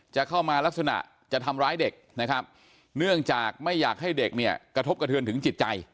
จะเข้ามาลักษณะจะทำร้ายเด็กนะครับเนื่องจากไม่อยากให้เด็กเนี่ยกระทบกระเทือนถึงจิตใจ